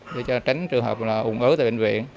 để tránh trường hợp hùng ứ tại bệnh viện